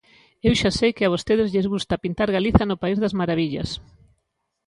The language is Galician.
Eu xa sei que a vostedes lles gusta pintar Galiza no país das marabillas.